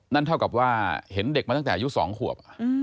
นั่นเท่ากับว่าเห็นเด็กมาตั้งแต่อายุ๒ขวบ